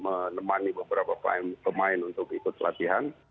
menemani beberapa pemain untuk ikut latihan